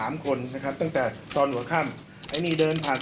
พี่น้องพี่น้อง